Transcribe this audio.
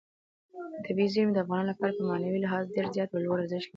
طبیعي زیرمې د افغانانو لپاره په معنوي لحاظ ډېر زیات او لوی ارزښت لري.